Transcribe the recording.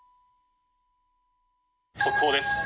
速報です。